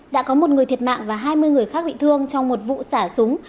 đã có một người thiệt mạng và hai mươi người khác bị thương trong một vụ xả súng